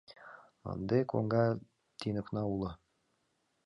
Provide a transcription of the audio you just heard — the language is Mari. Ынде коҥга тӱньыкна уло.